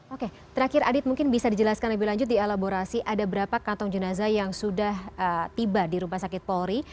oke terakhir adit mungkin bisa dijelaskan lebih lanjut di elaborasi ada berapa kantong jenazah yang sudah tiba di rumah sakit polri